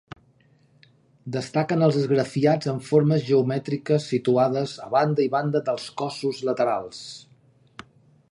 Destaquen els esgrafiats amb formes geomètriques situades a banda i banda dels cossos laterals.